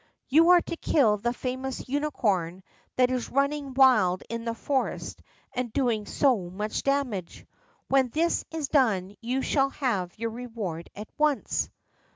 "You are to kill the famous unicorn that is running wild in the forest and doing so much damage. When this is done you shall have your reward at once."